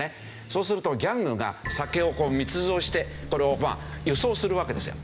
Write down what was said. そうするとギャングが酒を密造してこれを輸送するわけですよ。